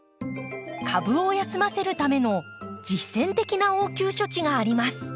株を休ませるための実践的な応急処置があります。